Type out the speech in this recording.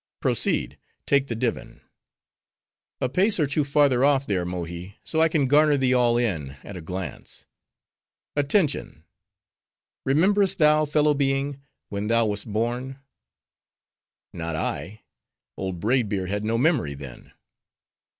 "Proceed; take the divan." "A pace or two farther off, there, Mohi; so I can garner thee all in at a glance.—Attention! Rememberest thou, fellow being, when thou wast born?" "Not I. Old Braid Beard had no memory then."